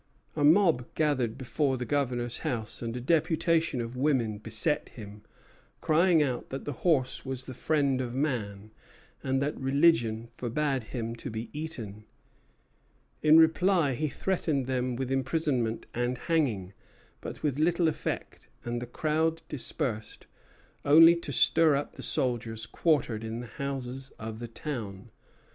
A mob gathered before the Governor's house, and a deputation of women beset him, crying out that the horse was the friend of man, and that religion forbade him to be eaten. In reply he threatened them with imprisonment and hanging; but with little effect, and the crowd dispersed, only to stir up the soldiers quartered in the houses of the town.